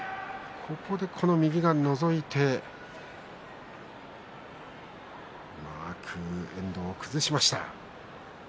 そして右がのぞいてうまく遠藤を崩しました。